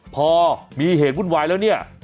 พอมีเหตุวุ่นวายแล้วเนี่ย